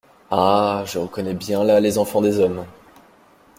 Ah !… je reconnais bien là les enfants des hommes…